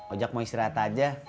ojek mau istirahat aja